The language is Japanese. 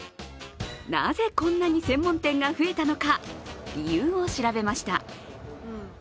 なぜ、こんなに専門店が増えたのか理由を調べました。